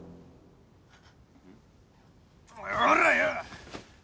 おらよ！